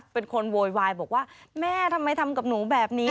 เป็นคนโวยวายบอกว่าแม่ทำไมทำกับหนูแบบนี้